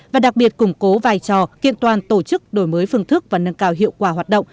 và đặc biệt củng cố vai trò kiện toàn tổ chức đổi mới phương thức và nâng cao hiệu quả hoạt động